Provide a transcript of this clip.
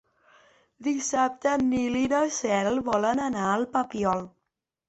Dissabte en Nil i na Cel volen anar al Papiol.